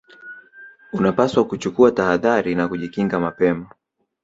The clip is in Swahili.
unapaswa kuchukua tahadhari na kujikinga mapema